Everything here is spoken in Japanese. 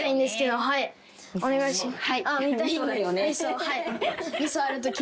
お願いします。